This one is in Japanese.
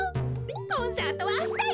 コンサートはあしたよ！